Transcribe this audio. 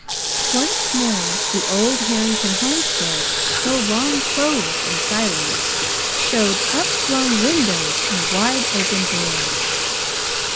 Once more the old Harrington homestead, so long closed and silent, showed up flung windows and wide open doors.